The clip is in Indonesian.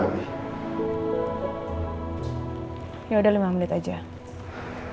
sampai kamu biarkan elsa membawa rena ke pantai asuhan